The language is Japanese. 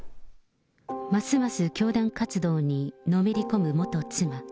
ますます教団活動にのめり込む妻。